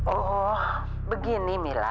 oh begini mila